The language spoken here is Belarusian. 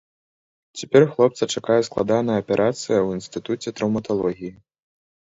Цяпер хлопца чакае складаная аперацыя ў інстытуце траўматалогіі.